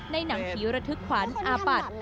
ในหนังพิวระทึกขวัญอาปัตย์